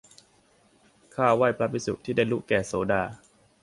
ข้าไหว้พระภิกษุ ที่ได้ลุแก่โสดา